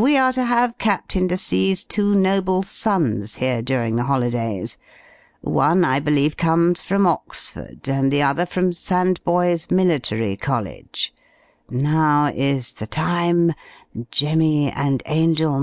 We are to have Captain de C.'s two noble sons here, during the holidays; one, I believe, comes from Oxford, and the other from Sandboys Military College: now is the time Jemy. and Angel.